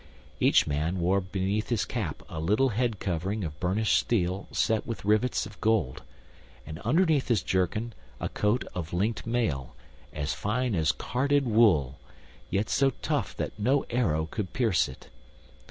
Each man wore beneath his cap a little head covering of burnished steel set with rivets of gold, and underneath his jerkin a coat of linked mail, as fine as carded wool, yet so tough that no arrow could pierce it.